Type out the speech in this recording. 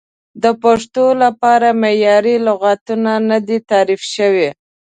د پښتو لپاره معیاري لغتونه نه دي تعریف شوي.